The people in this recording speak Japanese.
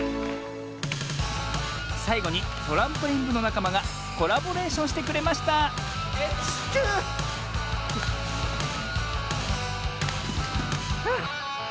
さいごにトランポリンぶのなかまがコラボレーションしてくれましたあっ。